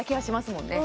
もんね